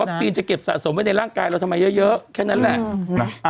จะเก็บสะสมไว้ในร่างกายเราทำไมเยอะแค่นั้นแหละ